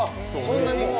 そんなにもう？